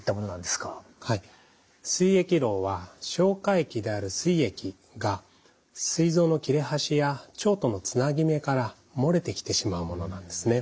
すい液漏は消化液であるすい液がすい臓の切れ端や腸とのつなぎ目から漏れてきてしまうものなんですね。